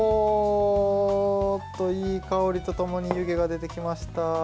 いい香りとともに湯気が出てきました。